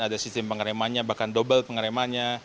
ada sistem pengeremannya bahkan double pengeremannya